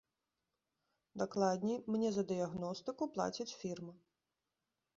Дакладней, мне за дыягностыку плаціць фірма.